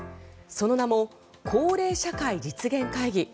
その名も「幸齢社会」実現会議。